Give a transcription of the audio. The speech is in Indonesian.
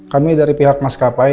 kami dari pihak maskapai